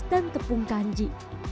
dan tepung kanji